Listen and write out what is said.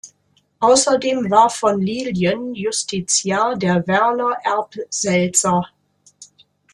Außerdem war von Lilien Justiziar der Werler Erbsälzer.